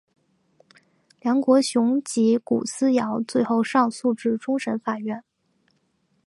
梁国雄及古思尧最后上诉至终审法院。